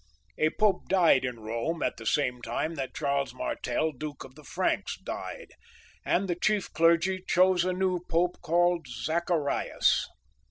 " A Pope died in Eome just at the same time as Charles Martel, Duke of the Franks, and the chief clergy chose a new Pope called Zacharias.